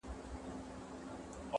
په څيرلو په وژلو كي بېباكه.!